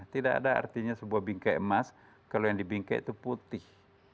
tidak ada artinya sebuah bingkai emas kalau yang di bingkai itu putih